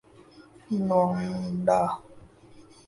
لونڈا